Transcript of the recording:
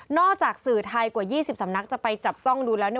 จากสื่อไทยกว่า๒๐สำนักจะไปจับจ้องดูแล้วเนี่ย